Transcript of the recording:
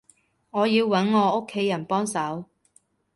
我要揾我屋企人幫手